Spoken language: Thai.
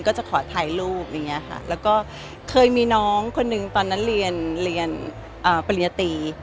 ก็จะขอถ่ายรูปอย่างนี้ค่ะแล้วก็เคยมีน้องคนนึงตอนนั้นเรียนเรียนปริญญาตรี